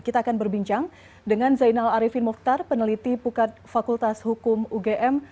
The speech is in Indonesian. kita akan berbincang dengan zainal arifin mokhtar peneliti pukat fakultas hukum ugm